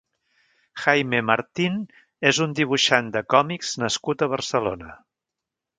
Jaime Martín és un dibuixant de còmics nascut a Barcelona.